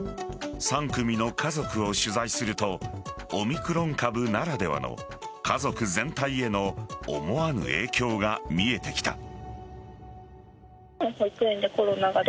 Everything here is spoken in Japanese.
３組の家族を取材するとオミクロン株ならではの家族全体への思わぬ影響が見えてきた。